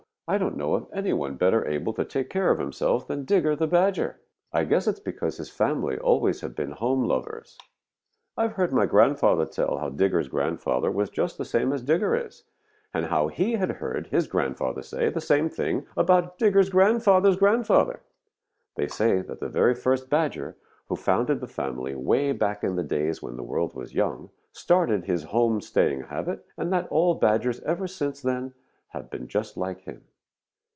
I don't know of any one better able to take care of himself than Digger the Badger. I guess it is because his family always have been home lovers. I've heard my grandfather tell how Digger's grandfather was just the same as Digger is, and how he had heard his grandfather say the same thing about Digger's grandfather's grandfather. They say that the very first Badger, who founded the family way back in the days when the world was young, started this home staying habit, and that all Badgers ever since then have been just like him.